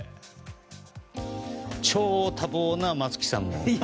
超多忙な松木さん。